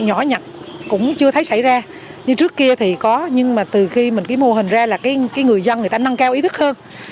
cái nhỏ nhặt cũng chưa thấy xảy ra như trước kia thì có nhưng mà từ khi mô hình ra là người dân nâng cao ý thức hơn